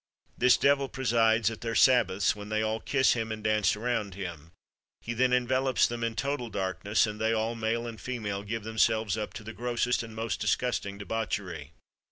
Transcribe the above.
This devil presides at their sabbaths, when they all kiss him and dance around him. He then envelopes them in total darkness, and they all, male and female, give themselves up to the grossest and most disgusting debauchery."